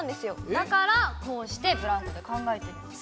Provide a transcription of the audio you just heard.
だからこうしてブランコで考えてるんです。